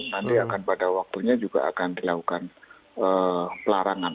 nanti akan pada waktunya juga akan dilakukan pelarangan